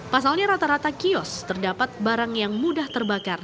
pasalnya rata rata kios terdapat barang yang mudah terbakar